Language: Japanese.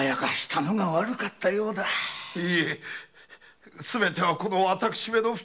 いえすべてはこの私めの不注意。